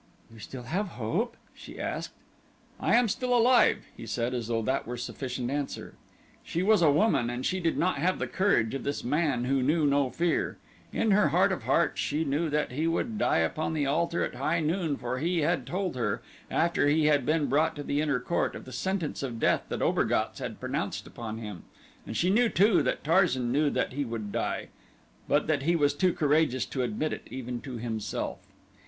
"You still have hope?" she asked. "I am still alive," he said as though that were sufficient answer. She was a woman and she did not have the courage of this man who knew no fear. In her heart of hearts she knew that he would die upon the altar at high noon for he had told her, after he had been brought to the inner court, of the sentence of death that Obergatz had pronounced upon him, and she knew too that Tarzan knew that he would die, but that he was too courageous to admit it even to himself.